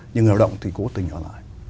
nhưng người lao động thì cố tình ở lại